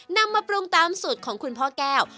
นำมาปรุงตามสูตรของคุณพ่อแก้ว